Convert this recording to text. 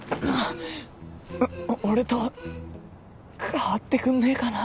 俺と代わってくんねぇかな？